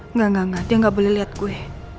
nggak nggak nggak dia nggak boleh liat gue